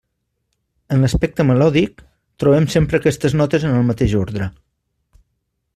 En l'aspecte melòdic, trobem sempre aquestes notes en el mateix ordre.